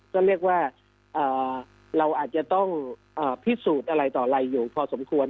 ก็เรียกว่าเราอาจจะต้องพิสูจน์อะไรต่ออะไรอยู่พอสมควร